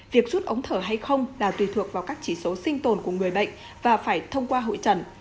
việc rút ống thở hay không là tùy thuộc vào các chỉ số sinh tồn của người bệnh và phải thông qua hội trần